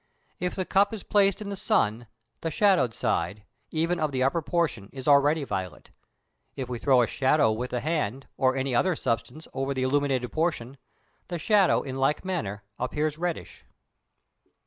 If the cup is placed in the sun, the shadowed side, even of the upper portion, is already violet. If we throw a shadow with the hand, or any other substance, over the illumined portion, the shadow in like manner appears reddish.